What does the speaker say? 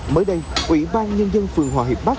mới đây ủy ban nhân dân phường hòa hiệp bắc